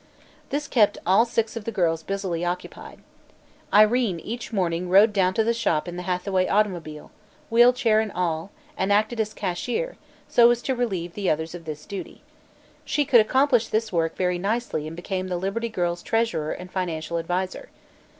This kept all six of the girls busily occupied. Irene each morning rode down to the shop in the Hathaway automobile wheel chair and all and acted as cashier, so as to relieve the others of this duty. She could accomplish this work very nicely and became the Liberty Girls' treasurer and financial adviser.